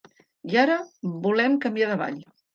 I ara volem canviar de ball.